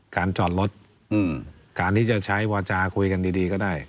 การจอดรถการที่จะใช้วาจาคุยกันดีก็ได้